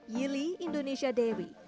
yili indonesia dewi